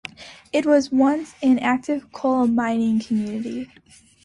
It was once an active coal mining community.